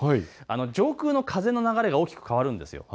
上空の風の流れが大きく変わるんです。